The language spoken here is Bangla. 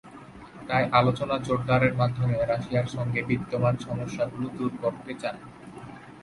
তাই আলোচনা জোরদারের মাধ্যমে রাশিয়ার সঙ্গে বিদ্যমান সমস্যাগুলো দূর করতে চান।